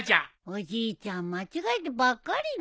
おじいちゃん間違えてばっかりじゃん。